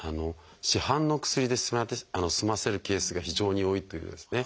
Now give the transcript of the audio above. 市販の薬で済ませるケースが非常に多いというようなですね